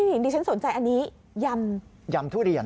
ดิฉันสนใจอันนี้ยำทุเรียน